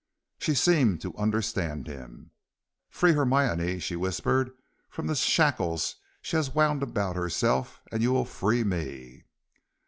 She seemed to understand him. "Free Hermione," she whispered, "from the shackles she has wound about herself and you will free me."